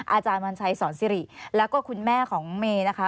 อาจารย์วันชัยสอนสิริแล้วก็คุณแม่ของเมย์นะคะ